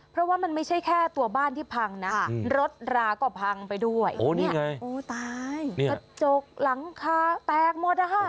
เพราะว่ามันไม่ใช่แค่ตัวบ้านที่พังน่ะอืม